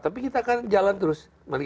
tapi kita akan jalan terus